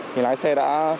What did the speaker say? thì lái xe đã